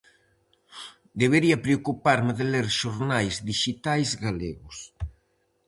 Debería preocuparme de ler xornais dixitais galegos.